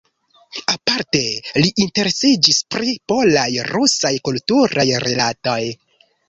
Aparte li interesiĝis pri polaj-rusaj kulturaj rilatoj.